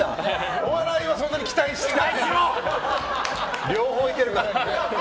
お笑いはそんなに期待してない。